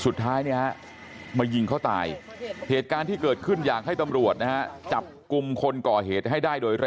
สุดท้ายเนี่ยฮะมายิงเขาตายเหตุการณ์ที่เกิดขึ้นอยากให้ตำรวจนะฮะจับกลุ่มคนก่อเหตุให้ได้โดยเร็ว